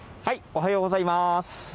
おはようございます。